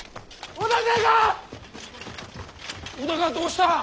織田がどうした！？